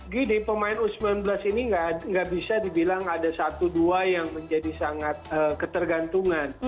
gini pemain u sembilan belas ini nggak bisa dibilang ada satu dua yang menjadi sangat ketergantungan